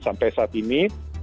sampai saat ini